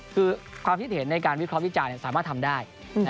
คือความคิดเห็นในการวิเคราะห์วิจารณ์สามารถทำได้